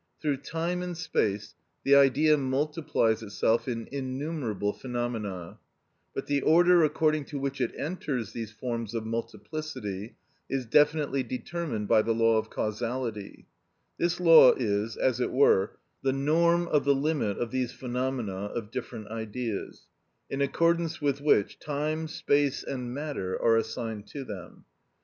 Through time and space the Idea multiplies itself in innumerable phenomena, but the order according to which it enters these forms of multiplicity is definitely determined by the law of causality; this law is as it were the norm of the limit of these phenomena of different Ideas, in accordance with which time, space, and matter are assigned to them.